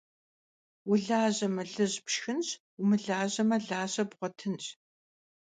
Vulajeme, lıj pşşxınş, vumılajame, laje bğuetınş.